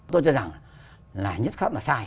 tôi cho rằng là nhất khắp là sai